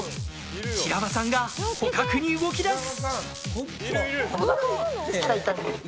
白輪さんが捕獲に動き出す。